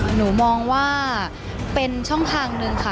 หนูมองว่าเป็นช่องทางหนึ่งค่ะ